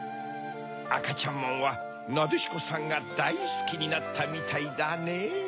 あかちゃんまんはなでしこさんがだいすきになったみたいだねぇ。